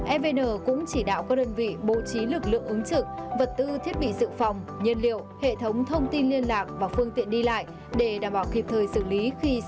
evn cũng chỉ đạo các đơn vị bộ trí lực lượng ứng trực vật tư thiết bị sự phòng nhân liệu hệ thống thông tin liên lạc và phương tiện đi lại để đảm bảo kịp thời xử lý